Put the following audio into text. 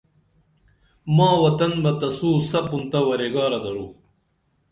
ماں وطن بہ تسوں سپُن تہ ورے گارہ درو